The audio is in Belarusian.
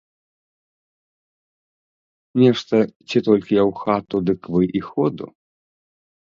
Нешта, ці толькі я ў хату, дык вы і ходу.